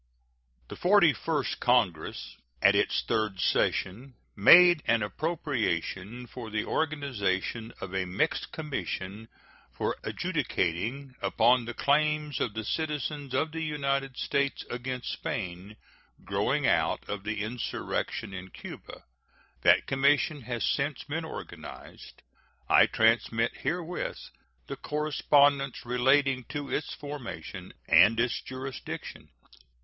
The Forty first Congress, at its third session, made an appropriation for the organization of a mixed commission for adjudicating upon the claims of citizens of the United States against Spain growing out of the insurrection in Cuba. That commission has since been organized. I transmit herewith the correspondence relating to its formation and its jurisdiction.